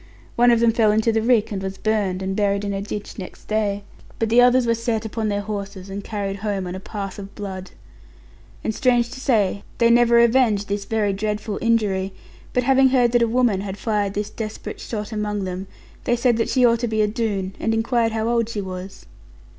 One of them fell into the rick, and was burned, and buried in a ditch next day; but the others were set upon their horses, and carried home on a path of blood. And strange to say, they never avenged this very dreadful injury; but having heard that a woman had fired this desperate shot among them, they said that she ought to be a Doone, and inquired how old she was.